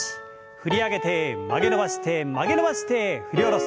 振り上げて曲げ伸ばして曲げ伸ばして振り下ろす。